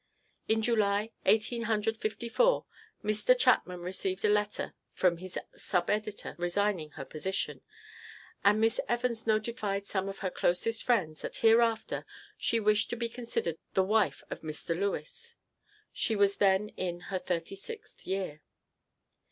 In July, Eighteen Hundred Fifty four, Mr. Chapman received a letter from his sub editor resigning her position, and Miss Evans notified some of her closest friends that hereafter she wished to be considered the wife of Mr. Lewes. She was then in her thirty sixth year.